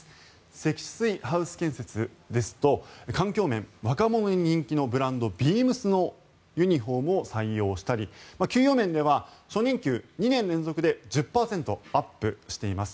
積水ハウス建設ですと環境面、若者に人気のブランドＢＥＡＭＳのユニホームを採用したり給与面では初任給２年連続で１０％アップしています。